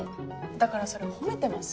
だからそれ褒めてます？